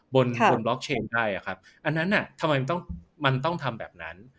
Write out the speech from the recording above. บนบนบล็อกเชนได้อะครับอันนั้นทำไมต้องมันต้องทำแบบนั้น